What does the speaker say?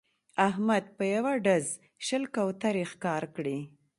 احمد په یوه ډز شل کوترې ښکار کړې